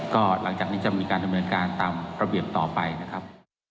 ก็หลังจากนี้จะมีการดำเนินการตามระเบียบต่อไปนะครับ